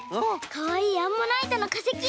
かわいいアンモナイトのかせき。